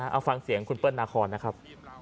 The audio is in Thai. เอาฟังเสียงคุณเปิ้ลนาคอนนะครับ